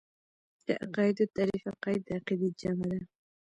د عقايدو تعريف عقايد د عقيدې جمع ده .